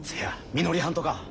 みのりはんとか。